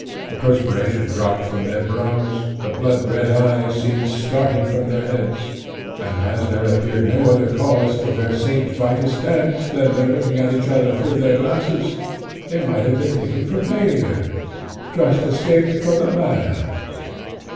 The perspiration dropped from their brows, the blood red eyes seemed starting from their heads, and as there appeared no other cause for their St. Vitus' dance than their looking at each other through their glasses, they might have been taken for maniacs, just escaped from the mad house.